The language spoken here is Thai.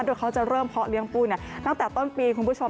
โดยเขาจะเริ่มเพาะเลี้ยงปูตั้งแต่ต้นปีคุณผู้ชม